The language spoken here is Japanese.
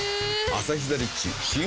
「アサヒザ・リッチ」新発売